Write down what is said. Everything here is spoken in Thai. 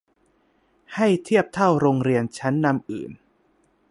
ให้เทียบเท่าโรงเรียนชั้นนำอื่น